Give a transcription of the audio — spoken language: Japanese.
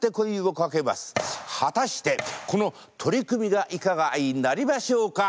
果たしてこの取組がいかがあいなりましょうか。